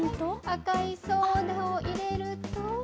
赤いソーダを入れると。